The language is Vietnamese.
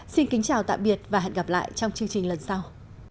xin kính chào tạm biệt và hẹn gặp lại trong chương trình lần sau